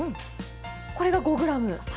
これが５グラム？